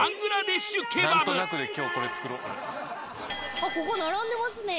あっここ並んでますね。